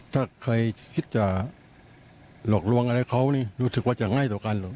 ถ้าใครคิดจะหลอกลวงอะไรเขานี่รู้สึกว่าจะง่ายต่อกัน